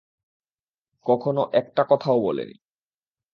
কখনো একটা কথাও বলেনি।